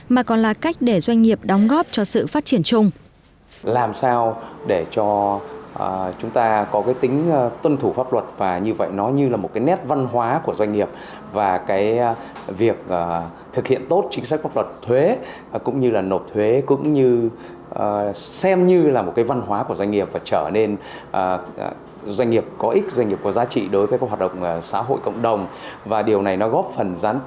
mà còn là cách để doanh nghiệp đóng góp cho sự phát triển chung